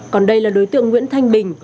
còn đây là đối tượng nguyễn thanh bình